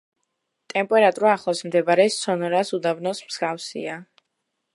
ტემპერატურა ახლოს მდებარე სონორას უდაბნოს მსგავსია.